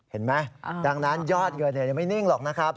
เห็นไหมดังนั้นยอดเงินยังไม่นิ่งหรอกนะครับ